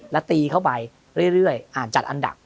แล้วตีเข้าไปเรื่อยอ่านจัดอันดับ